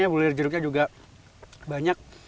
bulir jeruknya juga banyak